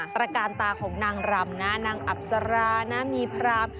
ตรการตาของนางรำนะนางอับสรานะมีพราม